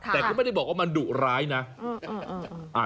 แต่ก็ไม่ได้บอกว่ามันดุร้ายนะ